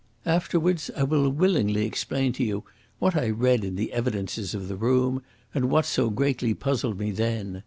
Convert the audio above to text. Afterwards I will willingly explain to you what I read in the evidences of the room, and what so greatly puzzled me then.